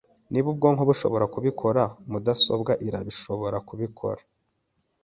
Niba ubwonko bushobora kubikora, mudasobwa irashobora kubikora.